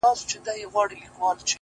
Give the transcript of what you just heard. o هغه سړی کلونه پس دی؛ راوتلی ښار ته؛